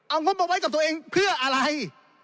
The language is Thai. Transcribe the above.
เอางบมาไว้กับตัวเองเพื่ออะไร